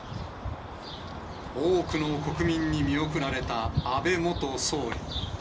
多くの国民に見送られた安倍元総理。